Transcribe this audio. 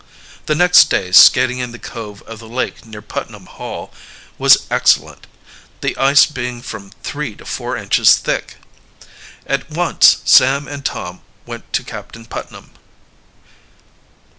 The next day skating in the cove of the lake near Putnam Hall was excellent, the ice being from three to four inches thick. At once Sam and Tom went to Captain Putnam.